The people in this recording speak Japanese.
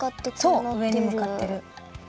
そううえにむかってる。